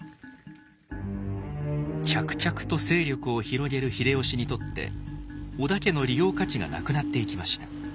着々と勢力を広げる秀吉にとって織田家の利用価値がなくなっていきました。